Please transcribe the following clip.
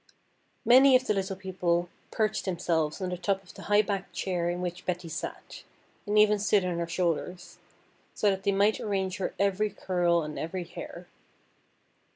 Many of the Little People perched themselves on the top of the high backed chair in which Betty sat, and even stood on her shoulders, so that they might arrange her every curl and every hair.